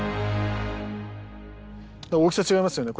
大きさ違いますよね。